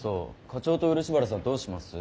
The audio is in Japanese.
課長と漆原さんどうします？